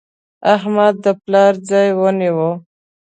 احمد د پلار ځای ونیو.